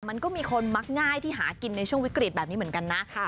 มันก็มีคนมักง่ายที่หากินในช่วงวิกฤตแบบนี้เหมือนกันนะ